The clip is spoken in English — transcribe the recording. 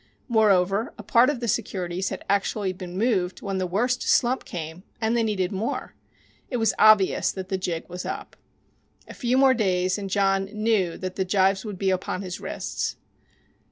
Moreover, a part of the securities had actually been moved when the worst slump came and they needed more. It was obvious that the jig was up. A few more days and John knew that the gyves would be upon his wrists.